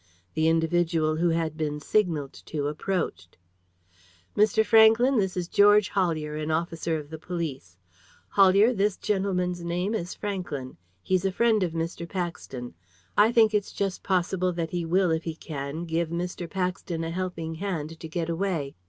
The individual who had been signalled to approached. "Mr. Franklyn, this is George Hollier, an officer of police. Hollier, this gentleman's name is Franklyn. He's a friend of Mr. Paxton. I think it's just possible that he will, if he can, give Mr. Paxton a helping hand to get away.